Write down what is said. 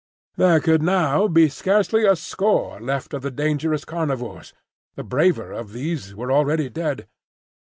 There could now be scarcely a score left of the dangerous carnivores; the braver of these were already dead.